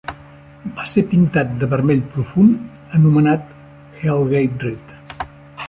Va ser pintat de vermell profund anomenat "Hell Gate Red".